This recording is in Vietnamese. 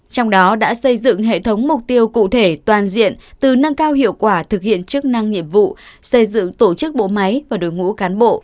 trong đó đã xây dựng hệ thống mục tiêu cụ thể toàn diện từ nâng cao hiệu quả thực hiện chức năng nhiệm vụ xây dựng tổ chức bộ máy và đối ngũ cán bộ